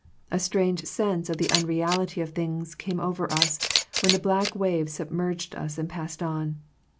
A strange sense of the unreality of things came over us, when the black wave sub merged us and passed on.